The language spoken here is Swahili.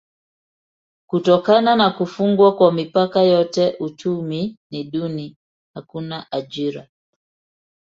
Kutokana na kufungwa kwa mipaka yote uchumi ni duni: hakuna ajira.